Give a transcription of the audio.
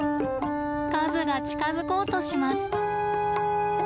和が近づこうとします。